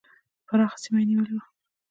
پراخه سیمه یې نیولې وه.